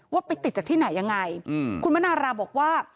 ว่าไปติดจากที่ไหนยังไงคุณมนาราบอกว่า